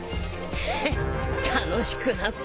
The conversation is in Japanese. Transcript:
ハッ楽しくなってきた。